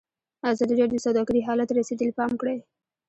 ازادي راډیو د سوداګري حالت ته رسېدلي پام کړی.